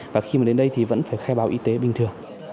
và khi mà đến đây thì vẫn phải khai báo y tế bình thường